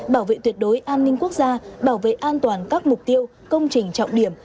bảo vệ tuyệt đối an ninh quốc gia bảo vệ an toàn các mục tiêu công trình trọng điểm